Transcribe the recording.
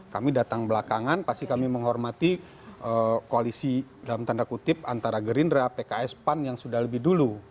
kami datang belakangan pasti kami menghormati koalisi dalam tanda kutip antara gerindra pks pan yang sudah lebih dulu